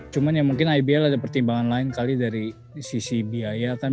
cuma ya mungkin ibl ada pertimbangan lain kali dari sisi biaya kan